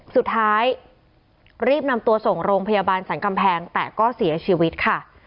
สุดท้ายรีบนำตัวส่งโรงพยาบาลสรรกำแพงแต่ก็เสียชีวิตค่ะ